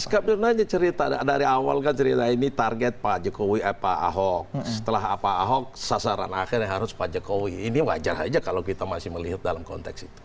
kami nanya cerita dari awal kan cerita ini target pak jokowi pak ahok setelah apa ahok sasaran akhirnya harus pak jokowi ini wajar aja kalau kita masih melihat dalam konteks itu